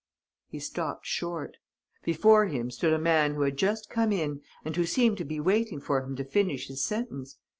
"He stopped short. Before him stood a man who had just come in and who seemed to be waiting for him to finish his sentence.